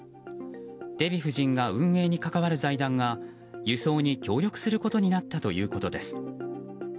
デヴィ夫人が運営に関わる財団が輸送に協力することになったということです。